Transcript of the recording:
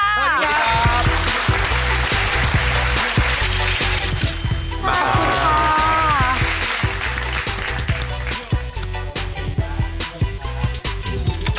สวัสดีค่ะ